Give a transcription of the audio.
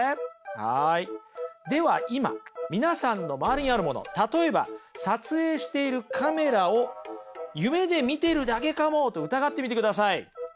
では今皆さんの周りにあるもの例えば撮影しているカメラを夢で見てるだけかもと疑ってみてください。